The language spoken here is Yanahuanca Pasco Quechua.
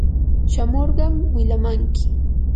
shamurqa wilamanki.